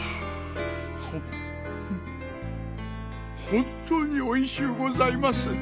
ホントにおいしゅうございます。